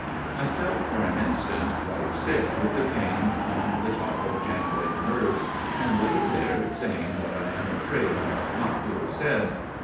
I felt for an instant quite sick with the pain on the top of jangling nerves ; and lay there saying what I am afraid I ought not to have said.